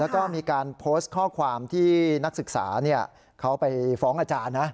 แล้วก็มีการโพสต์ข้อความที่นักศึกษาเขาไปฟ้องอาจารย์นะ